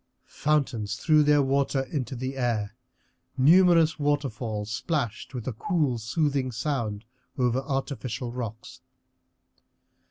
Fountains threw their water into the air, numerous waterfalls splashed with a cool, soothing sound over artificial rocks.